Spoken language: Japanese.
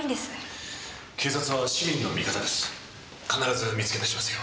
警察は市民の味方です。